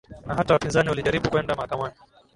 na hata wapinzani walijaribu kwenda mahakamani